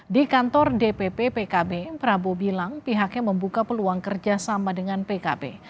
di kantor dpp pkb prabowo bilang pihaknya membuka peluang kerjasama dengan pkb